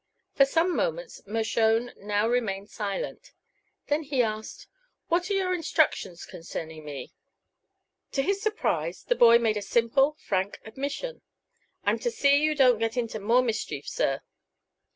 For some moments Mershone now remained silent. Then he asked; "What are your instructions concerning me?" To his surprise the boy made a simple, frank admission. "I'm to see you don't get into more mischief, sir."